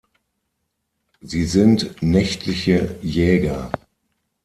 Sie sind nächtliche Jäger.